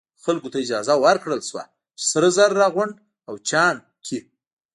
خلکو ته اجازه ورکړل شوه چې سره زر راغونډ او چاڼ کړي.